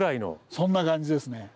そんな感じですね。